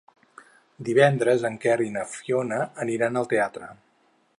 Divendres en Quer i na Fiona aniran al teatre.